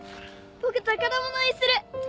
僕宝物にする！